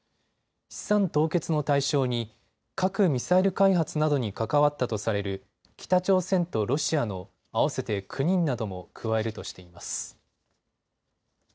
資産凍結の対象に核・ミサイル開発などに関わったとされる北朝鮮とロシアの合わせて９人なども加えるとしています。